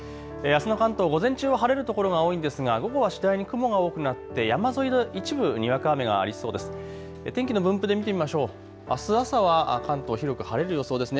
あすの関東、午前中は晴れる所が多いですが午後は次第に雲が多くなって山沿いで一部にわか雨がありそうです。